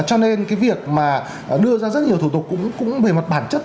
cho nên cái việc mà đưa ra rất nhiều thủ tục cũng về mặt bản chất